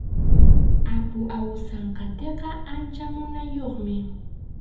Apu Awsanqatiqa ancha munayniyuqmi.